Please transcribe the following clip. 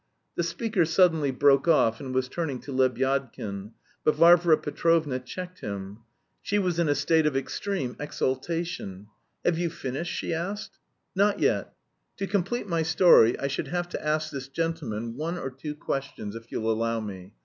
The speaker suddenly broke off and was turning to Lebyadkin. But Varvara Petrovna checked him. She was in a state of extreme exaltation. "Have you finished?" she asked. "Not yet; to complete my story I should have to ask this gentleman one or two questions if you'll allow me...